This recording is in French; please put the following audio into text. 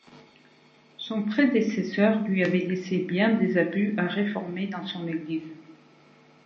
Son prédécesseur lui avait laissé bien des abus à réformer dans son église.